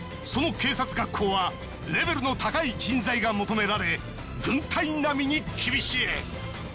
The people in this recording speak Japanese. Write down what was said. その警察学校はレベルの高い人材が求められ軍隊並みに厳しい。